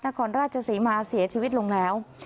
นครราชศรีมาเสียชีวิตลงแล้ว